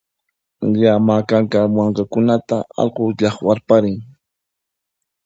Llama kanka mankakunata allqu llaqwarparin